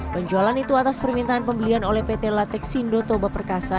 penjualan itu atas permintaan pembelian oleh pt lateksindo toba perkasa